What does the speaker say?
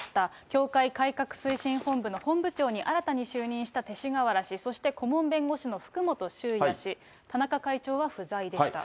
教会改革推進本部の本部長に新たに就任した勅使河原氏、そして顧問弁護士の福本修也氏、田中会長は不在でした。